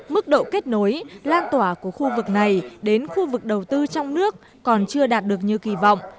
mức độ kết nối lan tỏa của khu vực này đến khu vực đầu tư trong nước còn chưa đạt được như kỳ vọng